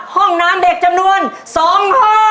ห้องน้ำเด็กจำนวน๒ห้อง